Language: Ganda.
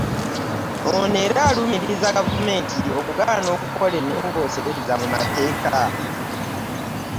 Ono era alumiriza gavumenti okugaana okukola ennoongoosereza mu mateeka